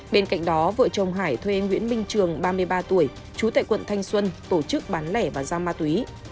bên cạnh đó vợ chồng hải thuê nguyễn minh trường ba mươi ba tuổi trú tại quận thanh xuân tổ chức bán lẻ và giao ma túy